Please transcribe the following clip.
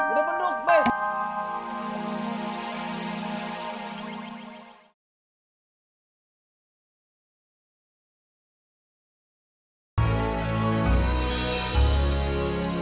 udah beduk be